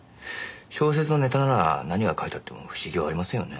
小説のネタなら何が書いてあっても不思議はありませんよね。